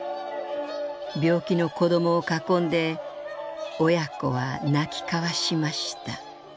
病気の子どもを囲んで親子は鳴き交わしました」。